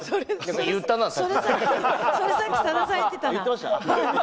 言ったな。